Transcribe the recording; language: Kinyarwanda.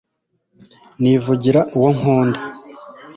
Nivugira uwo nkunda